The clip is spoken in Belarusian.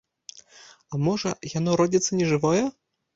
А можа, яно родзіцца нежывое?